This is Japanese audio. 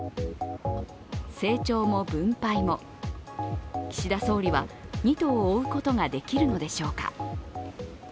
成長も分配も、岸田総理は二兎を追うことができるのでしょうか。